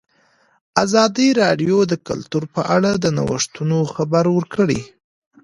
ازادي راډیو د کلتور په اړه د نوښتونو خبر ورکړی.